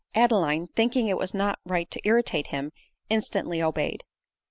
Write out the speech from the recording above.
Adeline, thinking it not right to ir ritate him, instantly obeyed.